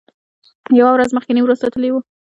یوه ورځ مخکې نیمروز ته تللي و.